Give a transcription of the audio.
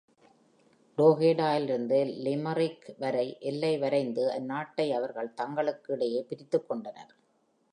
Drogheda இலிருந்து Limerick வரை எல்லை வரைந்து, அந்நாட்டை அவர்கள் தங்களுக்கு இடையே பிரித்துக்கொண்டனர்.